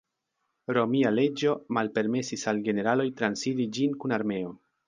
Romia leĝo malpermesis al generaloj transiri ĝin kun armeo.